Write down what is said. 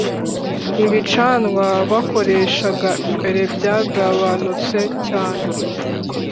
ibicanwa bakoreshaga mbere byagabanutse cyane.